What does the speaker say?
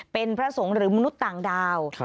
เป็นพระสงฆ์หรือมนุษย์ต่างดาว